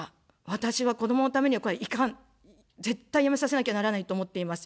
私は子どものためには、これはいかん、絶対やめさせなきゃならないと思っています。